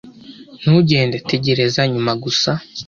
Ntugende! Tegereza! Nyumva gusa